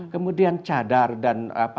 kemudian cadar dan